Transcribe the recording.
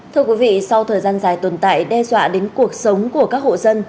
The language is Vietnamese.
thưa quý vị sau thời gian dài tồn tại đe dọa đến cuộc sống của các hộ dân